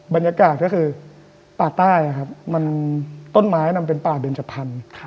บรรยากาศก็คือป่าใต้คือต้นไม้นำเป็นป่าเดินจะพัน